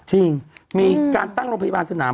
จริงมีการตั้งโรงพยาบาลสนาม